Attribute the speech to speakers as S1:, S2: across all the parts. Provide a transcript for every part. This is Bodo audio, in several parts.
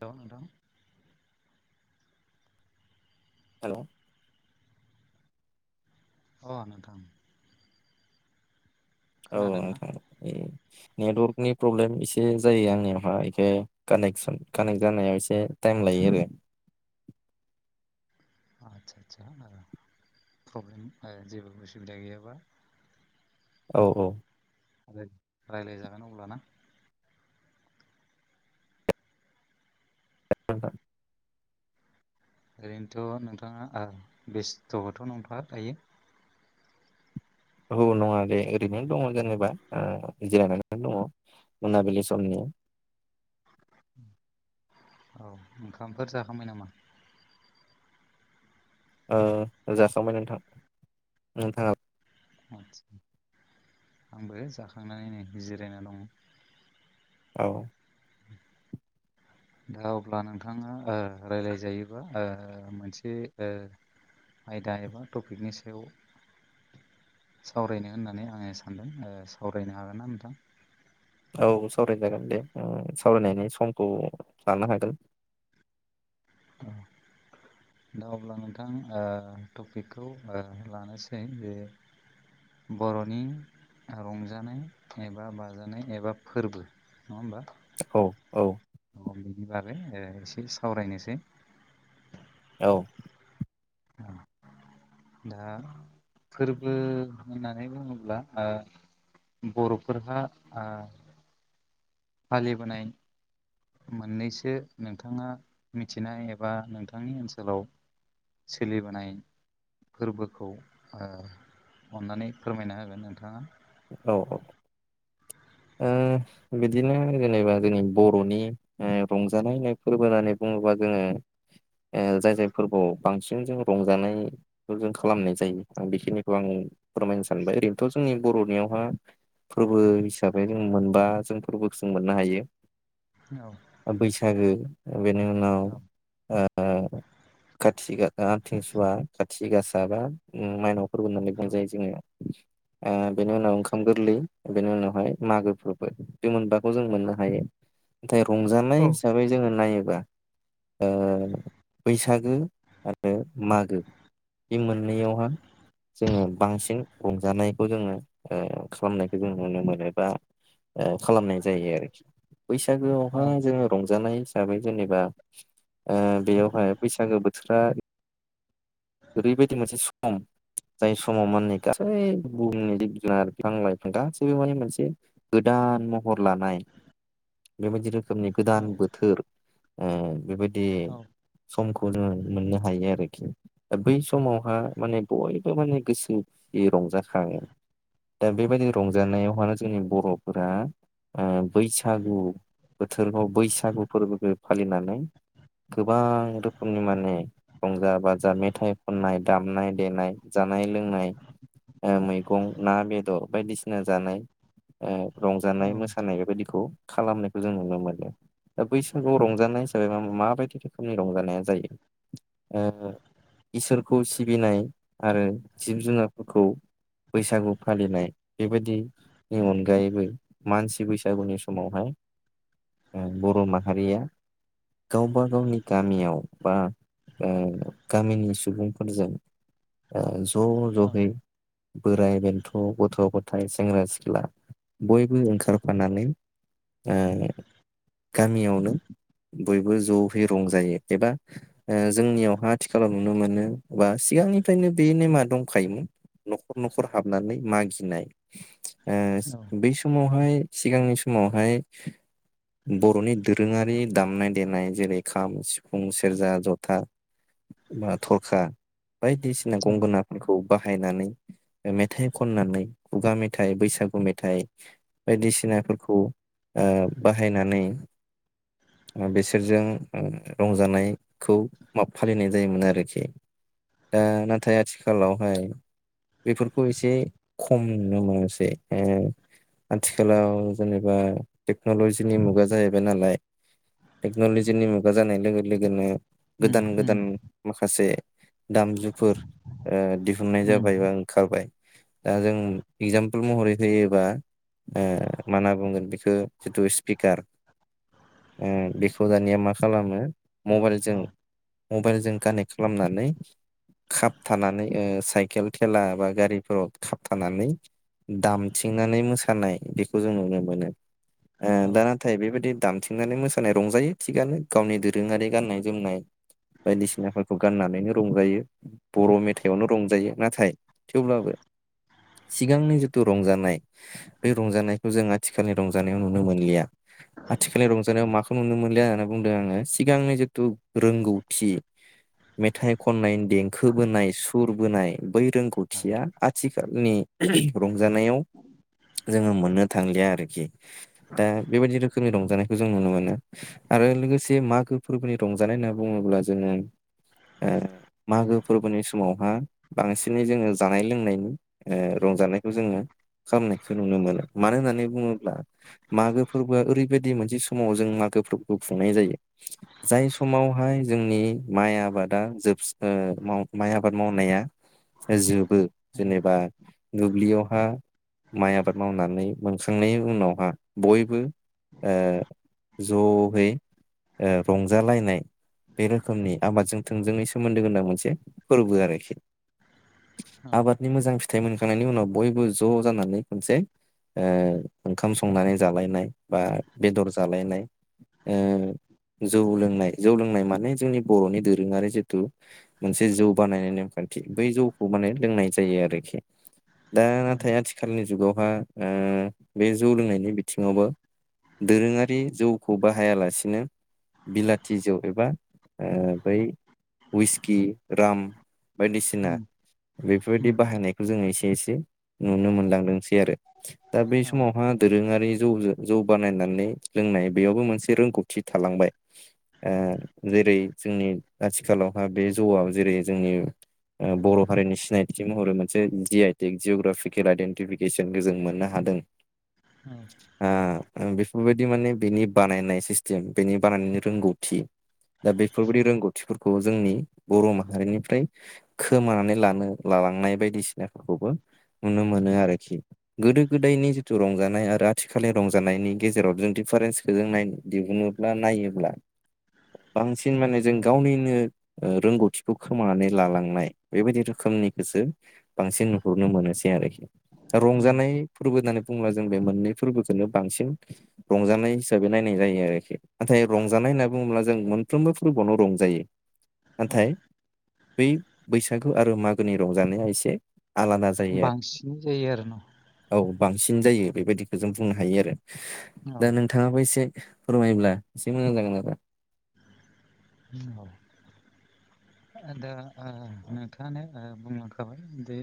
S1: जाबोन द
S2: हेल'।
S1: अ नोंथां।
S2: औ
S1: खोनादोंना
S2: नोंथां नेटवर्कनि प्रब्लेम एसे जायो आंनियावहााय बेखौ कानेकसन कानेक्ट जानायाव एसे टाइम लायो आरो।
S1: आचसा आचसाा प्रब्लेम जेबो उसुबिदा गैयाबा।
S2: औ औ।
S1: रायज्लायजागोन अब्लाना।
S2: [unintelligible]
S1: ओरैनोथ' नोंथाङा बेस्थ'खौथ' नोंथां दायो।
S2: औ नङा दे ओरैनो दङ जेनेबा जिरायनानैनो दङ मोनाबिलि समनि
S1: औ ओंखामफोर जाखांबाय नामा।
S2: जाखांबाय नोंथां नोंथाङा।
S1: आद आंबो जाखांनानैनोै जिरायना दङ।
S2: औ।
S1: [inaudible] दा अब्ला नोंथाङा राय्लायजायोबा मोनसे आयदा एबा टपिकनि सायाव सावरायनो होननानै आङो सानदों सावरायनो हागोन ना नोंथां।
S2: औ सावरायजागोन दे सावरायनायनि समखौ लानो हागोन।
S1: द दा अब्ला नोंथां टपिकखौ लानोसै बे बर'नि रंजानाय एबा बाजानाय एबा फोरबो नङा होमबा?
S2: औ औ।
S1: अ बेनि बागै एसे सावरायनोसै।
S2: औ।
S1: औ। दा फोरबो होननानै बुङोब्ला। बर'फोरहा फालि बोनायनि मोननैसो नोंथाङा मिथिनाय एबा नोंथांनि ओनसोलाव सोलिबोनाय फोरबोखौ अननानै फोरमायना होगोन नोंथाङा
S2: औ औ। बिदिनो जेनेबा जोंनि बर'नि रंजानाय होननाय फोरबो होननानै बुङोब्ला जोङो जाय जाय फोरबोआव बांसिन जों रंजानाय बे जों खालामनाय जायो आं बेखिनिखौ आं फोरमायनो सानबाय ओरैनोथ' जोंनि बर'नियावहा फोरबो हिसाबै जों मोनबा जों फोरबोखौ जों मोननो हायो।
S1: औ।
S2: बैसागो बेनि उनाव
S1: औ
S2: थि आथिंसुवा खाथि गासा बा माइनाव फोरबो होननानै बुंजायो
S1: औ
S2: जोङो बेनि उनाव ओंखाम गोरलै बेनि उनावहाय मागोबो बे मोनबाखौ जों मोननो हायो। नाथाय
S1: औ
S2: रंजानाय हिसाबै जोङो नायोबा। बैसागो आरो मागो बे मोननैयावहा जोङो बांसिन रंजानायखौ जोङो खालामनायखौ जों नुनो मोनो। बा खालामनाय जायो आरोखि
S1: औ
S2: बैसागोआवहााय जोङो रंजानाय। हिसाबै जेनेबा बेयावहाय बैसागो बोथोर
S1: [inaudible]
S2: ओरैबायदि मोनसे सम जाय समाव मान गासै बुहुमनिखि आंलाय गासैबो माने मोनसे गोदान महर लानाय बेबायदिनो रोखोमनि
S1: औ
S2: गोदान बोथोर बेबायदि समखौ जों मोननो हायो आरोखि दा बै समावहा माने बयबो माने गोसोयै रंजाखाङो। दा बेबायदि रंजानायावहानो जोंनि बर'फोरा बैसागु बोथोरखौ बैसागु फोरबोखौ फालिनानै गोबां रोखोमनि माने रंजा बाजा मेथाइ खननाय दामनाय देनाय जानाय लोंनाय मैगं ना बेदर बायदिसिना जानाय रंजानाय मोसानाय बेबायाददिखौ खालामनायखौ जों नुनो मोनो। दा बै समाव रंजानाय हिसाबै म माबायदि रोखोमनि रंजानाया जायो। इसोरखौ सिबिनाय आरो जिब जुनारफोरखौ बैसागु फालिनाय बेबायदि नि अनगायैबो मानसि बैसागुनि समावहाय बर' माहारिया गावबा गावनि गामियाव बा गामिनि सुबुंफोरजों ज'
S1: औ
S2: ज'यै बोराय बेन्थ' गथ' गथाय सेंग्रा सिख्ला सिला बयबो ओंखारफानानै गामियावनो बयबो ज'यै रं जायो एबा ओ जोंनियावहा आथिखालाव नुनो मोनो बा सिगांनिफ्रायनो बे नेमा दंखायोमोन। न'खर न'खर हाबनानै मागिनाय।
S1: औ
S2: बै समावहाय सिगांनि समावहाय बर'नि दोरोङारि दामनाय देनाय जेरै खाम सिफुं सेरजा जथा थरखा बायदिसिना बायसि
S1: औ
S2: गंगोनाफोरखौ बाहायनानै मेथाइ खननानै खुगा मेथाइ बैसाग बैसागु मेथाइ बायदिसिनाफोरखौ ओ बाहायनानै बिसोरजों रंजानायखौ माब फालिनाय जायोमोन आरोखि दा नाथाय आथिखालावहाय बेफोरखौ एसे खम नुनो मोनसै। आथिखालाव जेनेबा टेक्न'लजिनि मुगा जाहैबाय नालाय। टेक्न'लजिनि मुगा जानाय लोगो लोगोनो
S1: उम
S2: गोदान
S1: उम
S2: गोदान माखासे दामजुफोर दिहुननाय जाबाय बा
S1: उम
S2: खारबाय दा जों एगजामपोल महरै होयोबा ओ मा होनना बुंगोन बेखौ जिथु स्पिकार बेखौ दानिया मा खालामो
S1: औ औ
S2: मबाइलजों मबाइलजों कानेक्ट खालामनानै खाबथानानै ओ साइकेल थेला बा गारिफोराव खाबथानानै दामथिंनानै मोसानाय बेखौ जों नुनो मोनो ओ दाना नाथाय बेबायदि दामथिंनानै मोसानाय रंजायो थिगानो गावनि दोरोङारि गाननाय जोमनाय बायदिसिनाफोरखौ गाननानैनो रंजायो। बर' मेथाइआवनो रंजायो नाथाय थेवब्लाबो सिगांनि जिथु रंजा ब रंजानायखौ जों आथिखालनि रंजानायाव नुनो मोनलिया। आथिखालनि रंजानायाव माखौ नुनो मोनलि होननानै बुंदों आङो सिगांनि जिथु रोंगौथि मेथाइ खन देंखो बोनाय सुर बोनाय बै रोंगौथिया आथिखालनि रंजानायाव जोङो मोननो थांलिया आरोखि दा बेबायदि रोखोमनि रंजानायखौ जों नुनो मोनो। आरो लोगोसे मागो फोरबोनि रंजानाय होनना बुङोब्ला जोङो मागो फोरबोनि समावहा बांसिनै जोङो जानाय लोंनायनि ओ रंजानायखौ जोङो खालामनायखौ नुनो मोनो मानो होननानै बुङोब्ला मागो फोरबोआ ओरैबायदि मोनसे समाव जों मागो फोरबोखौ खुंनाय जायो। जाय समावहाय जोंनि माइ आबादा जोबस माइ आबाद मावनाया जोबो जेनेबा दुब्लियावहा माइ आबाद मावनानै मोनखांनायनि उनावहा बयबो ओ जहै ओ रंजालायनाय बे रोखोमनि आबादजों थोंजोङै सोमोन्दो गोनां मोनसे फोरबो आरोखि। आबादनि मोजां फिथाइ मोनखांनायनि उनाव बयबो ज' जानानै मोनसे ओ ओंखाम संनानै जालायनाय बा बेदर जालायनाय ओ जौ लोंनाय जौ लोंनाय माने जोंनि बर'नि दोरोङारि जितु मोनसे जौ बानायनाय नेमखान्थि बै जौखौ माने लोंनाय जायो आरोखि दा नाथाय आथिखालनि जुगावहा ओ बे जौ लोंनायनि बिथिङावबो दोरोङारि जौखौ बाहायालासिनो बिलाथि जौ एबा ओ बै उइसकि, राम बायदिसिना बेफोरबायदि बाहायनायखौ जों एसे एसे नुनो मोनलांदोंसै आरो दा बै समावहा दोरोङारि जौ जौ बानायनानै लोंनाय बेयावबो मोनसे रोंगौथि थालांबाय। ओ जेरै जोंनि आथिखालावहा बे जौवाव जेरै जोंनि ओ बर' हारिनि सिनायथि महरै मोनसे जि आइ तेग जिउग्राफि केल आइडेन्टिफिकेसनखौ जों मोननो हादों।
S1: औ
S2: ओ बेफोरबायदि माने बेनि बानायनाय सिस्टेम बेनि बानायनायनि रोंगौथि दा बेफोरबायदि रोंगौथिफोरखौ जोंनि बर' माहारिनिफ्राय खोमानानै लानो लालांनाय बायदिसिनाफोरखौबो नुनो मोनो आरोखि गोदो गोदायनि जिथु रंजानाय आरो आथिखालनि रंजानायनि गेजेराव जों दिफारेन्सखो जों नाय दिहु ना नायोब्ला बांसिन माने जों
S1: औ
S2: गावनिनो ओ रोंगौथिखौ खोमानानै लालांनाय बेबायदि रोखोमनिखोसो बांसिन नुहुरनो मोनोसै आरोखि दा रंजानाय फोरबो होननानै बुंङोब्ला जों बे मोननै फोरबोखौनो बांसिन रंजानाय हिसाबै नायनाय जायो आरोखि नाथाय रंजानाय होनना बुङोब्ला जों मोनफ्रोमबो फोरबोआवनो रंजायो
S1: [inaudible]
S2: नाथाय बै बैसागु आरो मागोनि रंजानाया एसे आलादा जा
S1: बांसिन जायो आरोना
S2: औ बांसिन जायो बेबायदिखौ जों बुंनो हायो आरो
S1: औ
S2: दा नों नोंथाङाबो एसे फोरमायोब्ला एसे मोजां जागोन आरो
S1: [unintelligible] दा ओ नोंथाङानो बुंलांखाबाय जे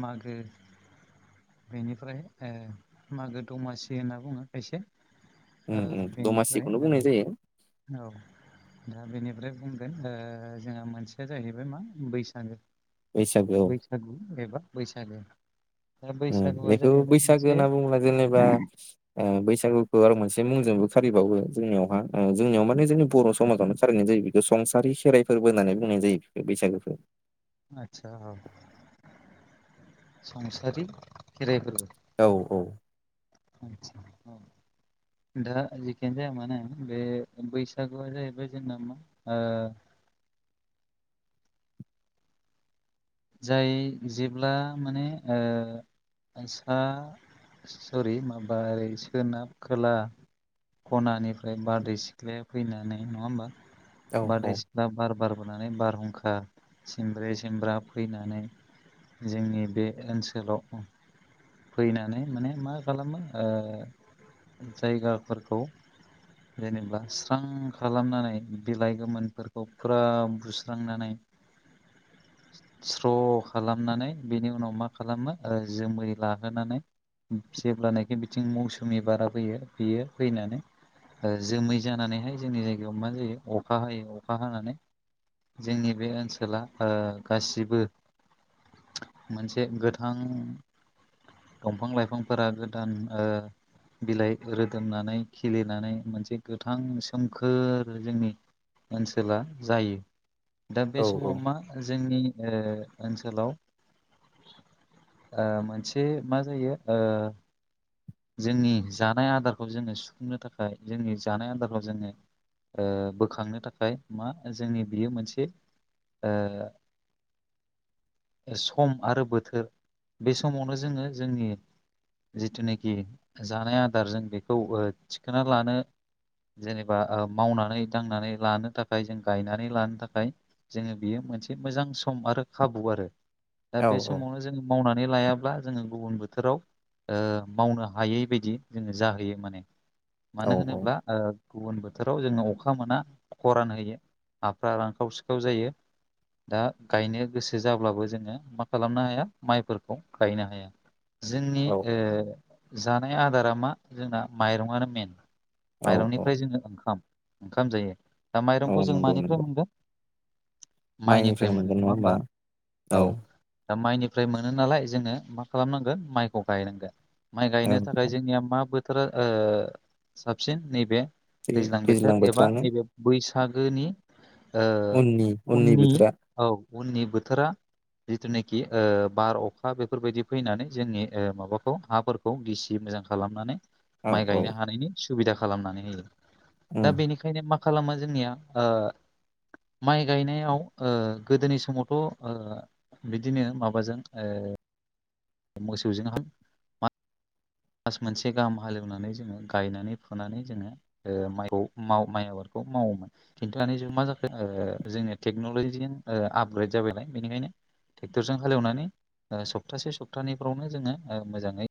S1: मागो बेनिफ्राय ओ मागो दमासि होनना बुङो खायसे
S2: उम उम
S1: बेनिफ्राय
S2: दमासिखौनो बुंनाय जायो
S1: औ दा बेनिफ्राय बुंगोन जोंहा मोनसेया जाहैबाय मा बैसागो
S2: बैसागोआव
S1: फोरनि एबा बैसागो दा
S2: उम
S1: बैसागुआ
S2: बेखौ
S1: जाहैबाय
S2: बैसागो
S1: मोनसे
S2: होनना बुंङोबा जेनेबा ओ बैसागुखौ आरो मोनसे मुंजोंबो खारिबावो जोंनियावहा जोंनियाव माने जोंनि बर' समाजावनो खारिनाय जायो संसारि खेराइ फोरबो होननानै बुंनाय जायो बे बैसागोखौ
S1: आतसा औ संसारि खेराइ फोरबो
S2: औ औ
S1: आसा औ दा जिखियानो जाया मानो बे बैसागुआ जाहैबाय जोंना मा ओ जाय जेब्ला माने सा सरि माबा ओरै सोनाब खोला खनानिफ्राय बारदै सिख्लाया फैनानै नङा होमबा
S2: औ औ
S1: बारदै सिख्ला बार बारबोनानै बारहुंखा सिमब्रे सिमब्रा फैनानै जोंनि बे ओनसोलाव फैनानै माने मा खालामो जायगाफोरखौ जेनेबा स्रां खालामनानै बिलाइ गोमोनफोरखौ फुरा बुस्रांनानै स्र' खालामनानै बेनि उनाव मा खालामो जोमै लाहोनानै जेब्लानाखि बिथिं मौसुमि बारा फैयो बियो फैनानै जोमै जानानैहाय जोंनि जायगायाव मा जायो अखा हायो अखा हानानै जोंनि बे ओनसोला गासिबो मोनसे गोथां दंफां लाइफांफोरा गोदान बिलाइ रोदोमनानै खिलिनानै मोनसे गोथां सोमखोर जोंनि ओनसोला जायो दा बे
S2: औ
S1: समाव मा जोंनि ओनसोलाव मोनसे मा जायो जोंनि जानाय आदारखौ जोङो सुफुंनो थाखाय जोंनि जानाय आदारखौ जोङो बोखांनो थाखाय मा जोंनि बियो मोनसे ओ सम आरो बोथोर बे समावनो जोङो जोंनि जिथुनाखि जानाय आदारजों बेखौ थिखोना लानो जेनेबा मावनानै दांनानै लानो थाखाय जों गायनानै लानो थाखाय जोङो बियो मोनसे मोजां सम आरो खाबु आरो दा
S2: औ
S1: बे समावनो जोङो मावनानै लायाब्ला जोङो गुबुन बोथोराव ओ मावनो हायै बायदि जोङो जाहोयो माने
S2: औ
S1: मानो होनोब्ला ओ गुबुन बोथोराव जोङो अखा मोना खरान होयो हाफ्रा रानखाव सिखाव जायो दा गायनो गोसो जाब्लाबो जोङो मा खालामनो हाया माइफोरखौ गायनो हाया जोंनि
S2: औ
S1: ओ जानाय आदारा मा जोंना माइरङानो मेन
S2: औ औ
S1: माइरंनिफ्राय जोङो ओंखाम ओंखाम जायो दा
S2: औ
S1: माइरंखौ जों
S2: नंगौ
S1: मानिफ्राय
S2: नंगौ
S1: मोनगोन माइनिफ्राय मोनो नङा होमबा औ दा माइनिफ्राय मोनो नालाय जोङो मा खालामनांगोन माइखौ गायनांगोन माइ
S2: औ
S1: गायनो थाखाय
S2: औ
S1: जोंनिया मा बोथोर ओ साबसिन नैबे
S2: बे
S1: दैज्लां बोथोर एबा
S2: बोथोरानो
S1: नैबे बैसागोनि ओ
S2: उननि
S1: उननि
S2: बोथोरा
S1: औ उननि बोथोरा जिथुनाखि ओ बार अखा बेफोरबायदि फैनानै जोंनि ओ माबाखौ हाफोरखौ खौ गिसि मोजां खालामनानै
S2: औ
S1: माइ
S2: औ
S1: गायनो हानायनि सुबिदा खालामनानै होयो दा
S2: उम
S1: बेनि ओंखायनो मा खालामा जोंनिया ओ माइ गायनायाव ओ गोदोनि समावथ ओ बिदिनो माबाजों ़ मोसौजों हा मा मास मोनसे गाहाम हालेवनानै जोङो गायनानै फुनानै जोङो ओ माइखौ माव माइ आबादखौ मावोमोन [unintelligible] जुग मा जाखो जोंनि टेनलजिजों ओ आपग्रेद जाबायलाय बेनिखायनो ट्रेक्टरजों हालेवनानै ओ सप्तासे सप्तानैफ्रावनो जोङो ओ मोजाङै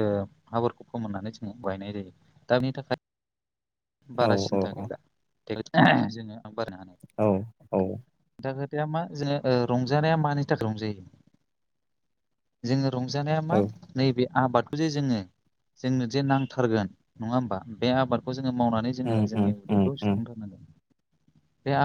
S1: ओ हा फोरखौ फोमोननानै जोङो गायनाय जायो दा बिनि थाखाय
S2: औ
S1: बारा
S2: औ
S1: सिन्था गैला जोङो [unintelligible]
S2: औ औ
S1: हानाय दा खोथाया मा जोङो ओ रंजानाया मानि थाखाय रंजायो जोङो रंजानाया मा
S2: औ
S1: नैबे आबादखौ जे जोङो जोंनो जे नांथारगोन नङा होमबा बे आबाद खौ जोङो मावनानै
S2: उम
S1: जोङो
S2: उम
S1: जोंनि
S2: उम
S1: उदैखौ
S2: उम
S1: सुफुंथारनांगोन बे